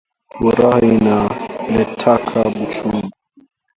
Furaha inaletaka buchungu